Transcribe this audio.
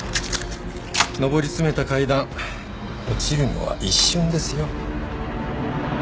上り詰めた階段落ちるのは一瞬ですよ。